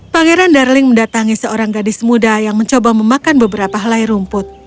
pangeran darling mendatangi seorang gadis muda yang mencoba memakan beberapa helai rumput